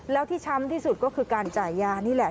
แล้วที่ช้ำที่สุดก็คือการจ่ายยานี่แหละ